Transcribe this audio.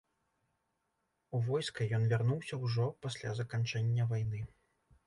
У войска ён вярнуўся ўжо пасля заканчэння вайны.